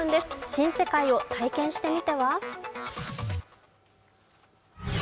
新世界を体験してみては！